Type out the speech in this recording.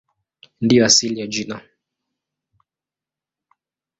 Ndiyo asili ya jina.